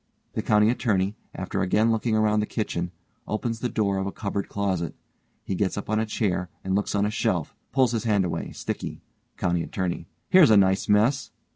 (The COUNTY ATTORNEY, _after again looking around the kitchen, opens the door of a cupboard closet. He gets up on a chair and looks on a shelf. Pulls his hand away, sticky_.) COUNTY ATTORNEY: Here's a nice mess.